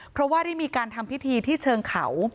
เพราะว่าได้มีการทำพิธีที่เชิงเขา